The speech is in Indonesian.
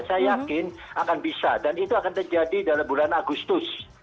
saya yakin akan bisa dan itu akan terjadi dalam bulan agustus